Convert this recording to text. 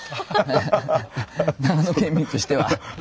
長野県民としては。